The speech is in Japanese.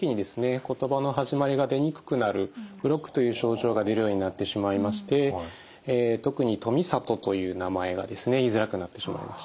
ことばの始まりが出にくくなるブロックという症状が出るようになってしまいまして特に「富里」という名前がですね言いづらくなってしまいました。